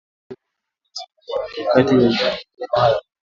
Wanajeshi wawili waliuawa wakati wa mapigano hayo